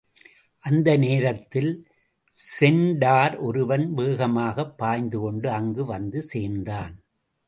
அந்த நேரத்தில் சென்டார் ஒருவன் வேகமாகப் பாய்ந்து கொண்டு அங்கு வந்து சேர்ந்தான்.